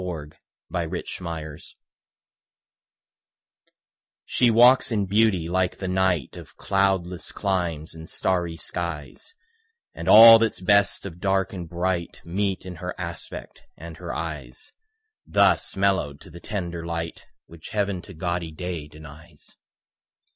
Y Z She Walks in Beauty SHE walks in beauty like the night Of cloudless climes and starry skies, And all that's best of dark and bright Meet in her aspect and her eyes; Thus mellowed to the tender light Which heaven to gaudy day denies.